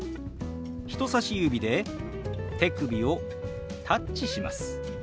人さし指で手首をタッチします。